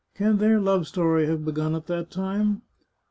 Can their love story have begun at that time